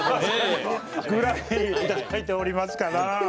ぐらい頂いておりますから。